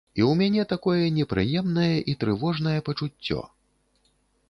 І ў мяне такое непрыемнае і трывожнае пачуццё.